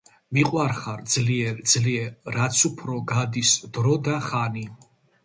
მიყვარხარ ძლიერ ძლიერ რაც უფრო გადის დრო და ხანი